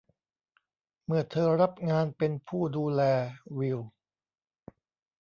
เมื่อเธอรับงานเป็นผู้ดูแล วิล